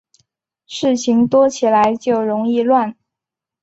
事情多起来就容易乱